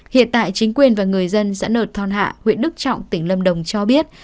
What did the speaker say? hiện tại chính quyền và người dân dã nợ thon hạ huyện đức trọng tỉnh lâm đồng cho biết